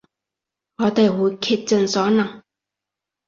我哋會竭盡所能